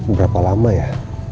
berapa lama ya